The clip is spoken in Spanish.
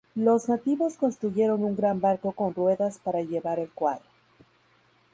Los nativos construyeron un gran barco con ruedas para llevar el cuadro.